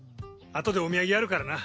あとでお土産やるからな。